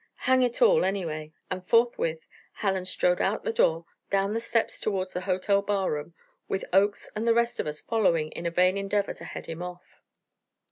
Hang it all, anyway." And forthwith Hallen strode out the door, down the steps toward the hotel bar room, with Oakes and the rest of us following in a vain endeavor to head him off.